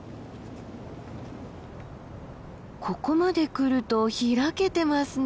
ここまで来ると開けてますね。